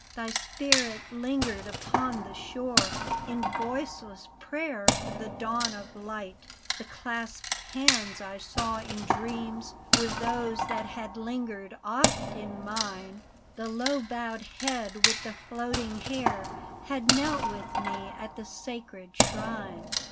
Thy spirit lingered upon the shore In voiceless prayer for the dawn of light. 72 A FRAGMENT. The clasped hands I saw in dreams Were those that had lingered oft in mine ; The low bowed head with the floating hair Had knelt with me at the Sacred Shrine.